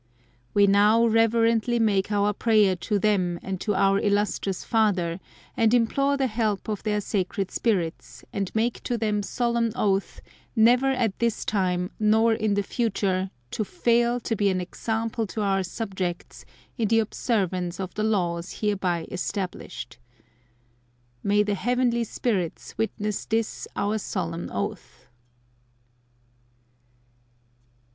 We now reverently make Our prayer to Them and to Our Illustrious Father, and implore the help of Their Sacred Spirits, and make to Them solemn oath never at this time nor in the future to fail to be an example to our subjects in the observance of the Laws hereby established. May the heavenly Spirits witness this Our solemn Oath.